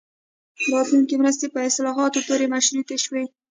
راتلونکې مرستې په اصلاحاتو پورې مشروطې شوې.